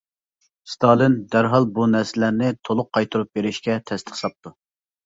ستالىن دەرھال بۇ نەرسىلەرنى تولۇق قايتۇرۇپ بېرىشكە تەستىق ساپتۇ.